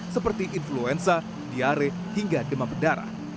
seperti influenza diare hingga demam berdarah